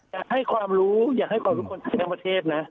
อยากให้ความรู้อยากให้ความทุกคนทั้งประเทศนะ